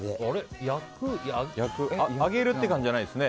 揚げるって感じじゃないですね